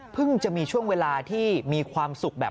จะมีช่วงเวลาที่มีความสุขแบบ